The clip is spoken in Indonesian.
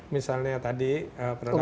misalnya tadi produk produk lain